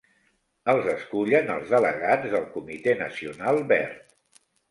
Els escullen els delegats del Comitè Nacional Verd.